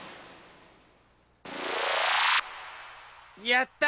やった！